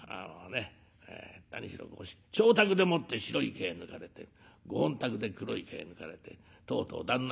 何しろご妾宅でもって白い毛抜かれてご本宅で黒い毛抜かれてとうとう旦那